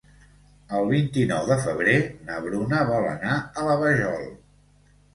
El vint-i-nou de febrer na Bruna vol anar a la Vajol.